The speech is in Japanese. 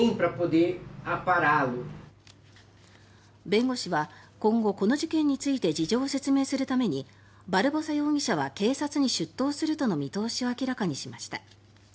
弁護士は今後この事件について事情を説明するためにバルボサ容疑者は警察に出頭するとの見通しを明らかにしました。